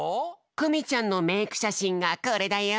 クミちゃんのメークしゃしんがこれだよ。